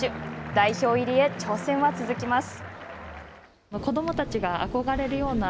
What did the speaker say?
代表入りへ挑戦は続きます。